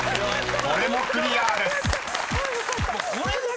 ［これもクリアです］